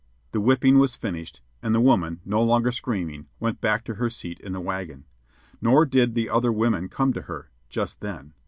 The whipping was finished, and the woman, no longer screaming, went back to her seat in the wagon. Nor did the other women come to her just then.